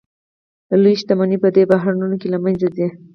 لویې شتمنۍ په دې بحرانونو کې له منځه ځي